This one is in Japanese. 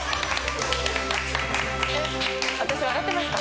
えっ私笑ってました？